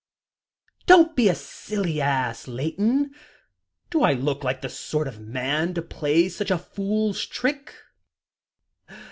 "Don't be a silly ass, Layton. Do I look the sort of man to play such a fool's trick?"